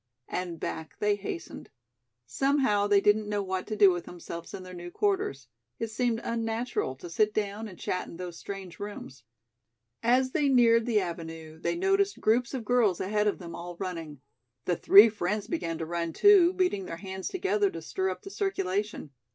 And back they hastened. Somehow they didn't know what to do with themselves in their new quarters. It seemed unnatural to sit down and chat in those strange rooms. As they neared the avenue they noticed groups of girls ahead of them, all running. The three friends began to run, too, beating their hands together to stir up the circulation.